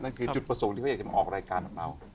จุดประสงค์ที่เขาอยากจะมาออกรายการของเรา